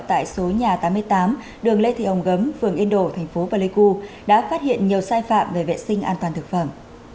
tại số nhà tám mươi tám đường lê thị hồng gấm phường yên đổ thành phố pleiku đã phát hiện nhiều sai phạm về vệ sinh an toàn thực phẩm